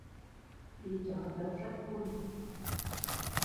Bị chó tớp rách quần